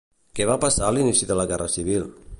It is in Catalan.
Què va passar a l'inici de la guerra civil?